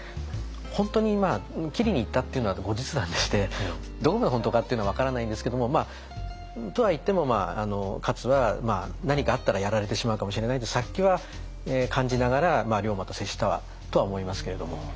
本当に斬りにいったっていうのは後日談でしてどこが本当かっていうのは分からないんですけどもとはいっても勝は何かあったらやられてしまうかもしれないという殺気は感じながら龍馬と接したとは思いますけれども。